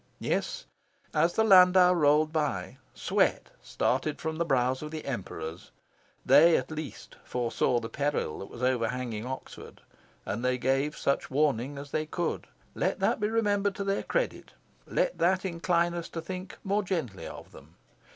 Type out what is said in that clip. Yes, as the landau rolled by, sweat started from the brows of the Emperors. They, at least, foresaw the peril that was overhanging Oxford, and they gave such warning as they could. Let that be remembered to their credit. Let that incline us to think more gently of them.